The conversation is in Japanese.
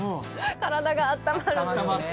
体があったまるんです。